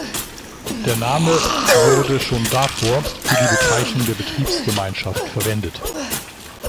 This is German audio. Der Name wurde schon davor für die Bezeichnung der Betriebsgemeinschaft verwendet.